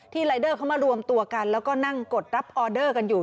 รายเดอร์เขามารวมตัวกันแล้วก็นั่งกดรับออเดอร์กันอยู่